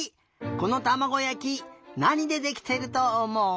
このたまごやきなにでできてるとおもう？